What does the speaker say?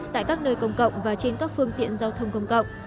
tại các nơi công cộng và trên các phương tiện giao thông công cộng